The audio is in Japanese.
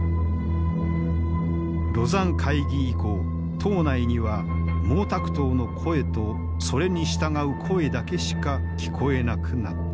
廬山会議以降党内には毛沢東の声とそれに従う声だけしか聞こえなくなった。